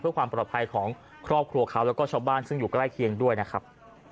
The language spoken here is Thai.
เพื่อความปลอดภัยของครอบครัวเขาแล้วก็ชาวบ้านซึ่งอยู่ใกล้เคียงด้วยนะครับ